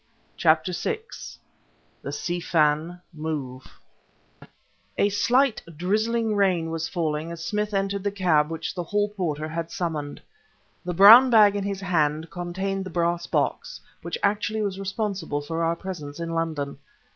CHAPTER VI THE SI FAN MOVE A slight drizzling rain was falling as Smith entered the cab which the hall porter had summoned. The brown bag in his hand contained the brass box which actually was responsible for our presence in London.